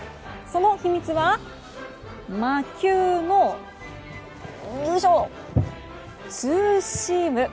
その秘密は魔球のツーシーム。